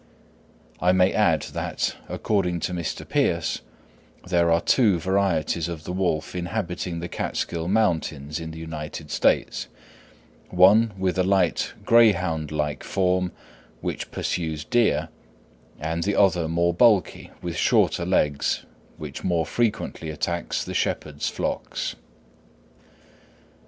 I may add that, according to Mr. Pierce, there are two varieties of the wolf inhabiting the Catskill Mountains, in the United States, one with a light greyhound like form, which pursues deer, and the other more bulky, with shorter legs, which more frequently attacks the shepherd's flocks.